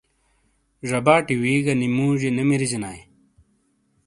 ژباٹی وی گہ نی موجئیے نے مریجنائیے ۔